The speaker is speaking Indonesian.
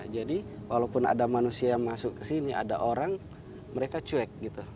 jadi walaupun ada manusia yang masuk ke sini ada orang mereka cuek gitu